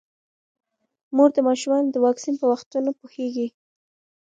مور د ماشومانو د واکسین په وختونو پوهیږي.